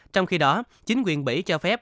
trong khi đó chính quyền mỹ cho phép